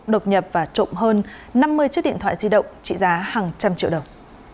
đột nhập và trộm hơn năm mươi chiếc điện thoại di động trị giá hàng trăm triệu đồng